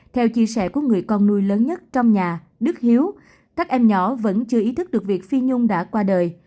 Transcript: theo chia sẻ của người con nuôi lớn nhất trong nhà đức hiếu các em nhỏ vẫn chưa ý thức được việc phi nhung đã qua đời